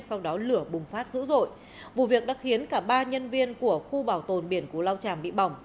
sau đó lửa bùng phát dữ dội